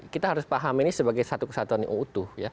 kita harus paham ini sebagai satu kesatuan yang utuh